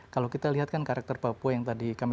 kalau kita lihat kan karakter papua yang tadi kami